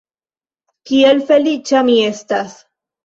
Kiel feliĉa mi estas!